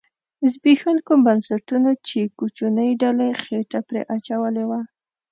زبېښوونکو بنسټونو چې کوچنۍ ډلې خېټه پرې اچولې وه